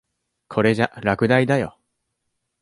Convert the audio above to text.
これじゃ落第だよ。